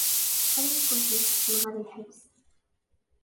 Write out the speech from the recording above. Qrib ad ken-nessekcem ɣer lḥebs.